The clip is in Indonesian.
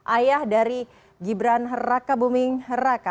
ayah dari gibran raka buming raka